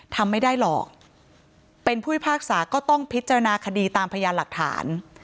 ทำไม่ได้หรอกเป็นผู้พิพากษาก็ต้องพิจารณาคดีตามพยานหลักฐาน